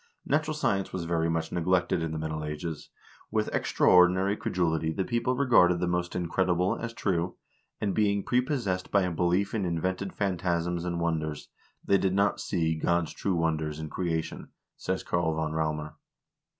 "Natural science was very much neglected in the Middle Ages. With extraordinary credulity the people regarded the most incredible as true, and, being prepossessed by a belief in invented phantasms and wonders, they did not see God's true wonders in creation," says Karl von Raumer.